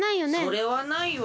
それはないわ。